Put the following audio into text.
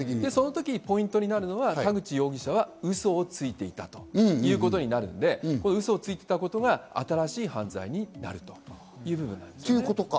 ポイントは田口容疑者は嘘をついていたということになるんで、嘘をついていたことが新しい犯罪になるというふうになります。